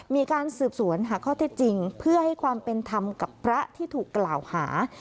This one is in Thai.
มีการสืบสวนหาข้อเท็จจริงเพื่อให้ความเป็นธรรมกับพระที่ถูกกล่าวหา